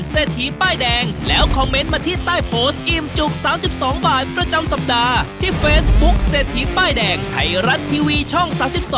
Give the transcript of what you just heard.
เซทีป้ายแดงไทยรัดทีวีช่อง๓๒